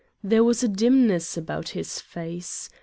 There was a dimness about his face.